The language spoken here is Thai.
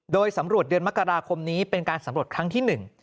โดยสำรวจเดือนมกราคมนี้เป็นการสำรวจครั้งที่๑